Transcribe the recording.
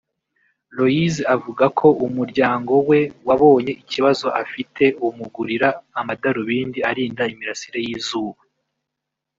Loise avuga ko umuryango we wabonye ikibazo afite umugurira amadarubindi arinda imirasire y’izuba